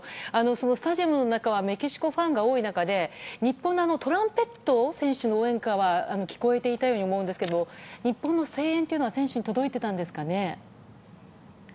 そのスタジアムの中はメキシコファンが多い中で日本のトランペット選手の応援歌は聞こえていたように思うんですが日本の声援は選手に届いていたんですかね。